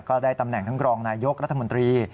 ก็ได้ตำแหน่งทั้งรองนายยกรัฐมนตรี